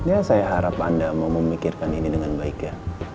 ya saya harap anda mau memikirkan ini dengan baik ya